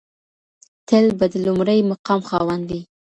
تل به د لومړي مقام خاوند وي.